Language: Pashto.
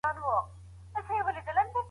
په ابادولو کې.